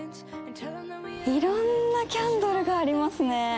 いろんなキャンドルがありますね！